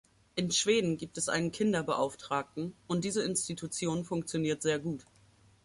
In Schweden gibt es einen Kinderbeauftragten, und diese Institution funktioniert sehr gut.